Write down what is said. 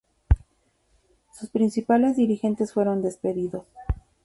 Sus principales dirigentes fueron despedidos.